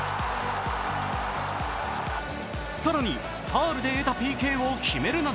更に、ファウルで得たＰＫを決めるなど